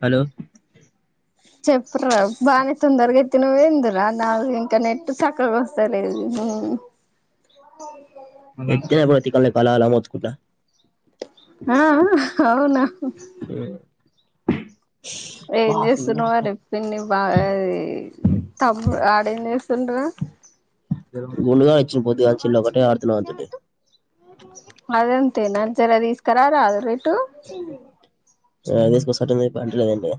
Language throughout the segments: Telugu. హలో తినవేందిరా నాకు ఇంకా నెట్ సక్కగా వస్తలేదు హు. నెత్తి బొత్తి కళ్లు అలా అలా మోతుకుంట ఆ ఆ అవునా ఏం చేస్తున్నవ్ అని పిన్ని బా యి తమ్ము ఆట్ ఏం చేస్ తుండ్రా గుండు గాడ్ వచ్చిండు పోద్దుగాల్ చెల్ల ఒకటే ఆడుతుంది ఆన్ తోటి [unintelligible] తేన జర తీసుక రారాదూరి ఇటు చాయ్ తీస్కాస్టేటు పంట లేదు ఏందే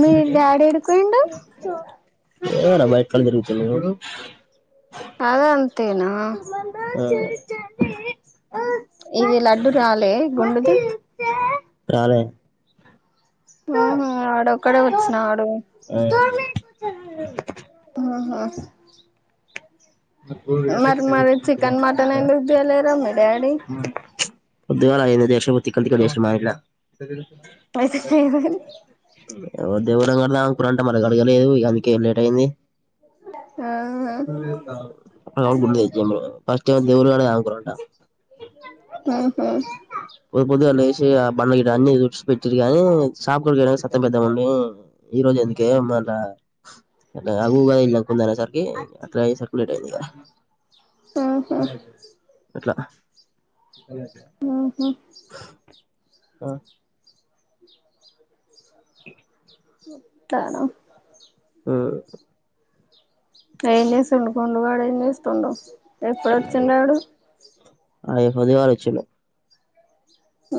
మీ డాడీ ఏడికి వేయిండు ఏవడ బైట్ కాల్ తిరుగుతున్నావు అదన్ రమంద చ ఇది లడ్డు రాలే గుండది చాల ఉ వాడ ఒక్కడే వచ్చినా వాడు తనన ఆహ మరి మరి చికెన్ మటన్ ఎందుకు తెలేరా మీ డాడీ పోద్దుగాల అయ్యింది దేషో తిక్కలు తిక్కలు చేసిర్రు మా ఇంట్ల పైసద దేవురం కడదాం కూర అంట మన అడగలేదు ఇందుకేం లేట్ అయింది ఆ ఆహా [unintelligible] పొద్దుగాల లేసి బండ గిట్ట అన్ని తుడిసి పెట్టిడు గాని షాపు గునుకే సత్తెమ్మ పెద్దమ్మ ఉండి ఈ రోజు ఎందుకే అమ్మ అంత ఆ ఊకే [unintelligible] సరికి అట్లా లేట్ అయ్యింది కదా ఆహా అట్లా ఆహా ఆ వతాను ఆ ఏం చూస్తుండు గుండు గాడు ఏం చేస్తుండు ఎప్పుడొచ్చిండాడు ఆ పొద్దుగాల వచ్చిండు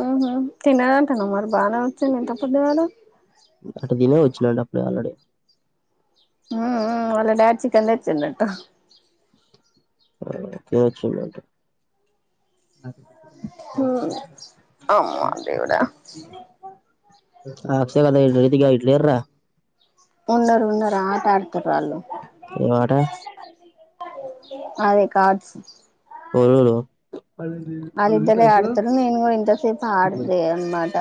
ఆహా తిన్నదంటనా మరీ బానే వచ్చిండు ఇంత పొద్దుగాల ఆడ తినే వచ్చినాడు అప్పుడే ఆల్రెడీ ఆ ఆ వాల డాడీ చికెన్ తెచిండంట ఆ తినొచ్చిండంట ఆ అమ్మా దేవుడా ఆ హర్ష గాని [unintelligible] లేద్రా ఉన్నరు ఉన్నరు ఆట ఆడు ఏట అదే కాట్స్ అరురు వాళ్ళిద్దరే ఆడతరు, నేను కూడా ఇంతసేపు ఆడిందే అన్నమాట.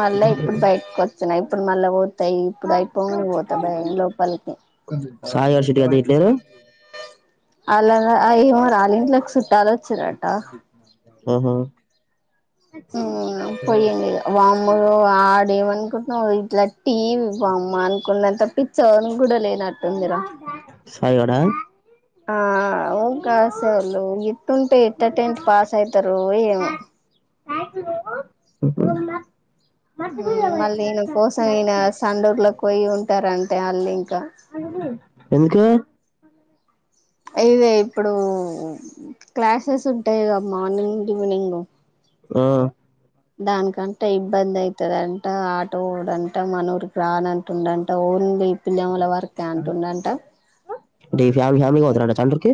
మళ్ళా ఇప్పుడు బయటకి ఒస్తున్న, ఇప్పుడు మళ్ళా పోత, ఇప్పుడు అయిపోగంనే పోతా బయ్ లోపలికి. సాయి, వర్షిత్ గాడు ఇట్లేరు? అలాకాద్ అయోమరి అల్లింట్లక్ షిప్ టా లొచ్చిర్రు అంటవా? ఉమ్ హు ఉమ్ పోయిండిగా, వామ్మో వాడేమన్ కొట్టినవ్ కదా ఇట్ టీ వీ వామ్మా అనుకునంత ప్పిచ్చి ఎవనికి కూడా లేనట్టుందిరా? సాయి గాడా ఆ కాస వాళు ఎట్ంటే ఇట్ట టెన్త్ పాస్ అవుతారు ఏమో మళ్ళీ ఈయన కోసం ఈయన సండూర్లో పోయి ఉంట ఇంటార అంటే వాళ్ళ ఇంకా అ ఎందుక ఇదే ఇప్పుడు క్లాసెస్ ఉంటయిగా మార్నింగ్, ఈవినింగ్. ఆ దానికంట ఇబ్బంది అయితదంట, ఆటో ఓడంట, మన ఊరికి రానంటుండంట ఓన్గ మీ ఫ్యామిలి ఫ్యామిలీ పోత్ డచ్చాన్డూర్ కి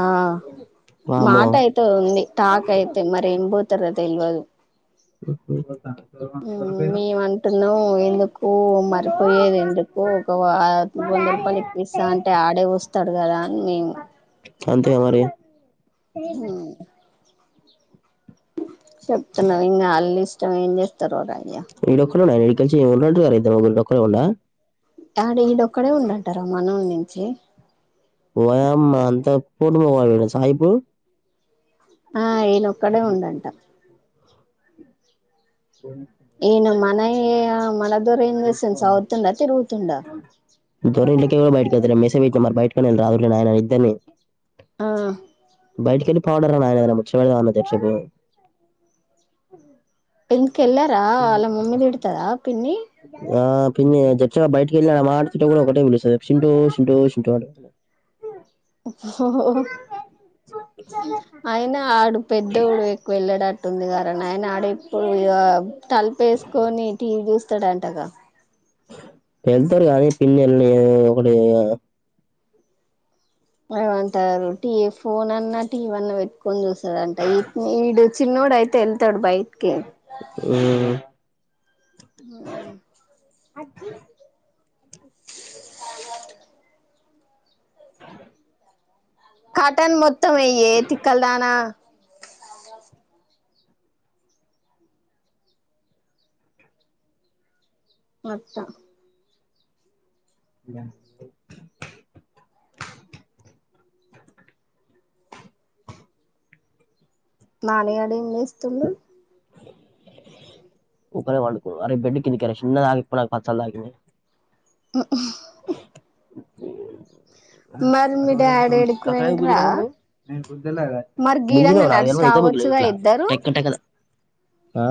ఆ వామ్మో మాట ఎటో ఉంది టాక్ అయితే, మరేం పోత్ త్తర తెల్వదు. [unintelligible] ఉమ్ మేము అంటున్నాం ఎందుకు మరిపోయేది ఎందుకు. ఒక వా వంద రూపాయలు ఎక్విస్తా అంటే ఆడే వస్తడు కదా అని మేము. అంతేగా మరి హ్మ్ చెప్తున్నగ ఇంగ ఆళ్ళ ఇష్టం, ఏం చేస్తరో రాని ఈడొక్ చెప్తూనే ఉన్నాకద ఇక్కంచి [unintelligible] ఆడ ఈడ ఒక్కడే ఉండంటర, మన వూర్ నుంచి వయమ్మా అంత పోటు మొనగాలు తెల్సా ఇపుడు? ఆ, ఈనె ఒక్కడే ఉండంట. ఈన మన ఏమో మనద్ ద్దరు ఏం చేస్తుండు? చదువుతుండా? తిరుగుతుండా? టెమో బయటికి ఎల్తలేడు. మెస్సేజ్ పెట్టిన మరి బయటికన్న రా [unintelligible] ఇద్దరిని. ఆ బయిటీకని పౌడర్ అయన ముచ్చవాళ తెచిపో కెళ్లార అలా మమ్మీది ఇడుతదా పిన్ని పే జప్ బయటకి వెళ మాట కూడా ఒకటే వి ష ఓ అయినా ఆడు పెద్దోడు ఎక్కువ వెళ్ళాడు ఉంటుంది కద ఆయన ఆడ ఇప్పుడు ఇ తలిపేసుకొని టీవీ చూసి ఎత్తడాంటగా వెళ్తారు కానీ పిన్ని వెళ్ళి ఒకటి ఏమంటర్రు టీ వి ఫోన్ అన్నా, టీ వీ అన్నా పెట్టుకొని చూస్తడంటా. ఈ ఈడు చిన్నోడు అయితే ఎళ్ తడు బయిటికి ఉమ్, ఉమ్ అజ్జి కాటన్ మొత్ త్తమేయ్యే తిక్కల్దానా. అట్టా ఇ నానిగాడ ఏం చేస్తుండు ఒకకర వాళ్కు అరే బెడ్ కిందికార చిన్నదా ఆపోనా పసాలదా ఆ [inaudible] మరి మీ డాడీ ఏడికి జరాలా పోయిండ్రా మరి గీడంగా నడిచి రావచ్చుగా ఇద్దరు ట ట ఆ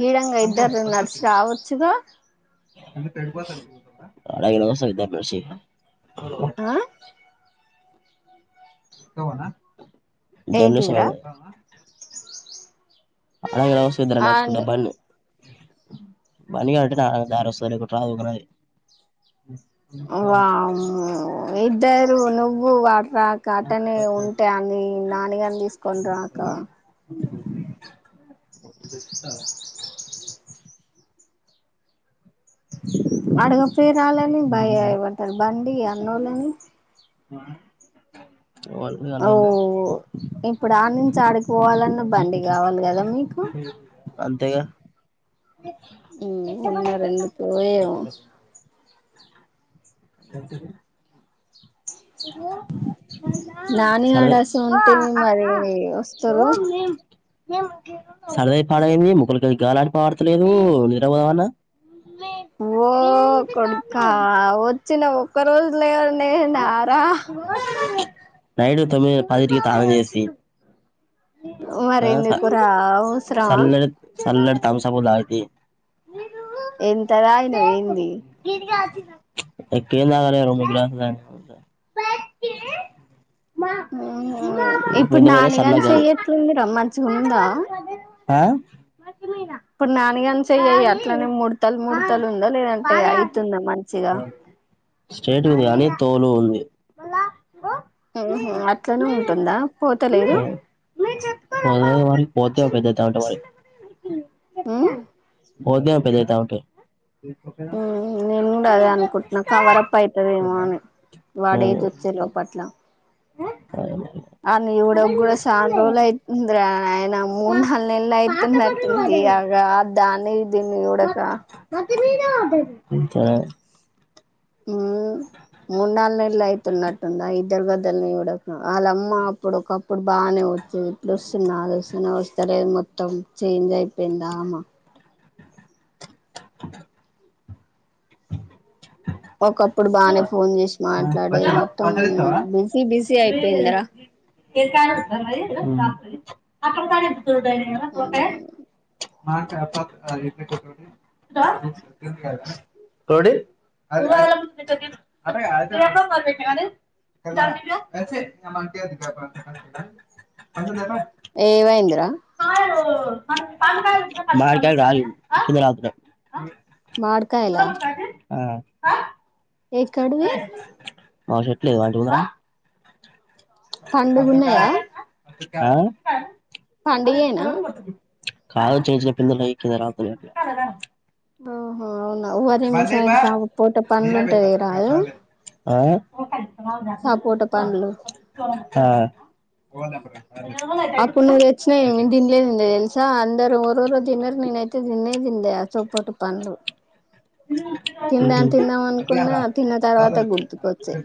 గీడంగా ఇద్దరు నర్సు రావచ్చుగా అగ వ విద్యాప ఆ సవనా ధన్ ఏంటిదిరా సమద అడగరస ఇ ఆ నడుచకుంట బన్న పని కటి దధారాస్తు కుట్రాకుది వా ఇద్దరు నువ్వు వా రాక అటనే ఉంటే అన్ని నానిగని తీసుకోని రాక స్తవా అడగపోయి రాలని భయ అవ తడ బండి అన్నోళ్ళని ఆ ఓ ఇప్పుడు ఆడి నుంచి ఆడికిపోవాలన్నా బండి కావాలి కదా మీకు అంతేగా ఉన్నారెందుకో ఏమో చెతుకు [unintelligible] నాని సరదా ఆడాసం ఉంటే మరిఏమి వస్తారు సరదవి పాడైంది ముక్కలకిగాలి ఆడతలేదు నిద్ర పోదామన్నా ఓ కొడుకా వచ్చినవ్ ఒక్కరోజు లేరనే లేచినావరా నైట్ తొమ్మిది, పది ఇంటికి తాళం వేసి మరెందుకురా అవసరమా సన్నటి తాగు సాంబాల్డి ఎంత తాగినవ్ ఏంది ఎక్కువేం తాగలే ఎంట మీ సలాకారు ఎట్లుంది ర మంచిగ ఉందా ఆ ఇప్పుడు ఇంకాన చెయ్యి ఎయ్ అట్లనే ముడతలు ముడతలు ఉందా లేదంటే అయితుందా మంచిగా స్ట్రేట్ ది కానీ తోలు ఉంది. ఓహో అట్లనే ఉంటుందా పోతలేదు. మంగళవారం వరకు పోతే పెద్ద తాటువాయే ఉమ్ చెప్తాం పోతే పెదగతాఉంటాయ్ ఉమ్ నేను కూడా అదే అనుకుంటున్నా కవరప్ అయితదేమో అని వాడి ఏజ్ వచ్చే లోపట్ల ఉ అన్ని చూడక్గూడ చాన్ రోజు లైతుంది రా ఆయన మూడు నాలుగు నెలలు అయితున్నటుంది అగా దాన్నీ దీన్ని చూడకా ఇంట్లోనే ఉమ్ మూడు నాలు నెలలు అయితున్నట్టుందా ఇద్దరు గదులని ఇవ్వడ వాళ్ళమ్మ అప్పుడు ఒకప్పు ఇప్పుడు బాగానే వచ్చు ఇప్పుడు వస్తున్న అది వస్తు వ సరే మొత్తం చేంజ్ అయిపోయిందా ఆమా ఒకప్పుడు బానే ఫోన్ చేసి మాట్లాడేది మొత్తం బిజీ బిజీ అయిపోయిందరా ఉమ్ చదై అకే మాట అప్ప ఇ అదే ఏవైంది రా మడికాయలు కాదు [unintelligible] మాడికాయల ఆ ఎక్కడివి మా షర్ట్లే వాటికి గూడ పండుగున్నయా ఆ అది తాడిపత్రి కాదు చిన్ చిన్ పిందలయి కింద రాలుతున్నాయ్ అట్ల బఓ బందీపా పండ్లు నేనే బ ఉంటది రాదు సపోట పండ్లు ఓద అప్పుపు నువేచ్చిన దిలే దింద ఎల్సా అందరు వరవ దిన నన అయితే దినే దింద లే చపోటు పంలు తిందాం తిందాం అనుకున్నా తిన్న తర్వాత గుర్తుకొచ్చే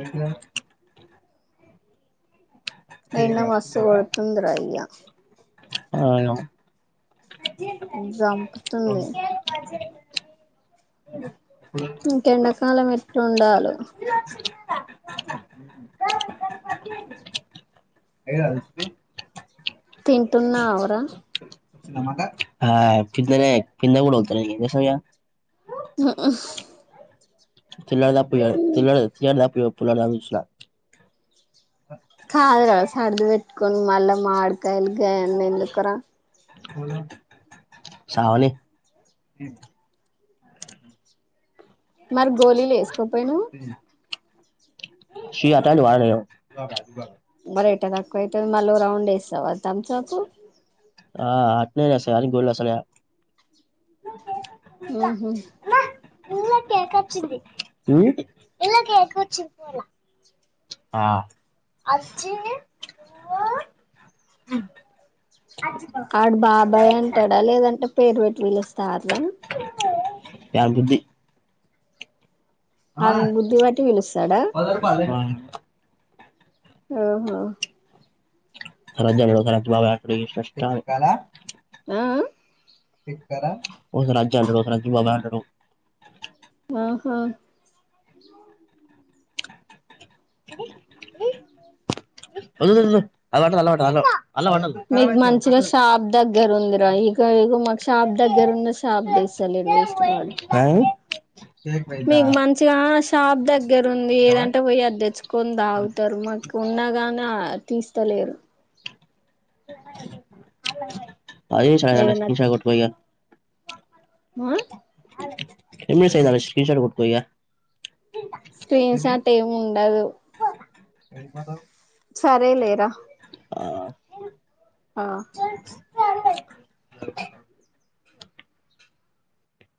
ఎట్ల తింటావ్ ఎండ మస్సు కొడుతుంది రా అయ్యా ఆ చంపుతుంది అ ఇంక ఎండకాలం ఎట్లు ఉండాలో ఏ తింటున్నా వురా పనే ప కూడాతు ఎస చిల్లడ దా పోయ చిల్ల చిల్లడ దా పోయ పొలాల్లో చూసిన కాదు సర్దు పెట్టుకొని మళ్ళా మాడ్ [inaudible] ఎందుకురా సావని మరి గోళీలు వేసుకోపోయినవు చి అట్లాంటివి వాడను నేను బర ఎట్ట తక్కువైతది మళ్ళ ఓ రౌండ్ వేస్తావా తమ్సప్ ఆ అట్నేనా స అని గుల్ అసలే ఆహ ఇందులో కేక్ వచ్చింది ఆ ఆడ బాబాయ్ అంటాడా లేదంటే పేరు పెట్టి విలుస్తారు ఎ గుద్ది అ బుద్ధి పట్టి పిలుస్తాడా అ హ్మ్ హు సర జర [inaudible] చేసినట్లు ఆ ఇక్కడ ఒక రాజా ఉంటాడు [inaudible] ఆహా [inaudible] అ వదులు వదులు ఆల్అవుట్ ఆల్అవుట్ ఆల్అవుట్ మీకు మంచిగా షాప్ దగ్గర ఉందిరా ఇక ఇగో మాకు షాప్ దగ్గర ఉన్న షాప్ తీస్తాలేడు వేస్ట్ గాడు మీకు మంచిగా ష్ షాప్ దగ్గర ఉంది ఏదంటే పోయి అది తెచ్చుకో కొని తాగుతారు మాకు ఉన్నాగానే తీస్తలేరు హలో అది షానానె ఈ సారి కొట్టుపో ఇగ మా [inaudible] స్క్రీన్షాట్ కొట్టుకో ఇగ స్క్రీన్ షాట్ ఏము ఉండదు ఏడికి పోతావ్ సరేలే రా ఆ చార్ చాల